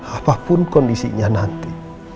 apapun kondisinya nanti